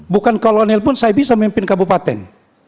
bukan kolonel pun saya bisa memimpin kabupaten